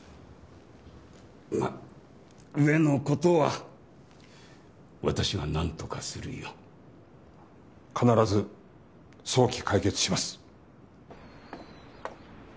まあ上の事は私がなんとかするよ。必ず早期解決します。